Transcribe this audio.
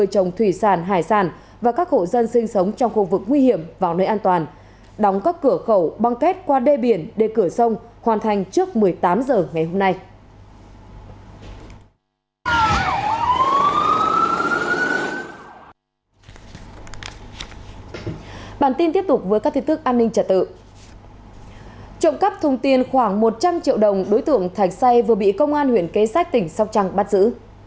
trộm cắp thùng tiền khoảng một trăm linh triệu đồng đối tượng thạch say vừa bị công an huyện kê sách tỉnh sóc trăng bắt giữ